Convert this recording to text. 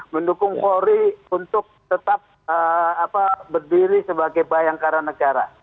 mendukung polri untuk tetap berdiri sebagai bayangkara negara